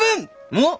おっ！